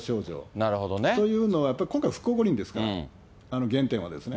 というのは、やっぱり今回復興五輪ですから、原点はですね。